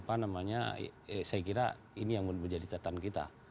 apa namanya saya kira ini yang menjadi catatan kita